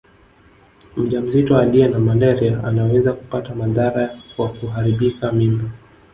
Mjamzito aliye na malaria anaweza kupata madhara kwa kuharibika mimba